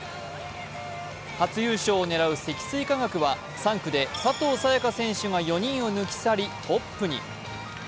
初優勝を狙う積水化学は３区で佐藤さやか選手が４人を抜き去りトップに。